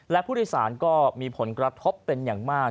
และผู้โดยสารก็มีผลกระทบเป็นอย่างมาก